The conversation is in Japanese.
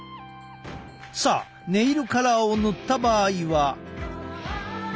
さあネイルカラーを塗った場合は。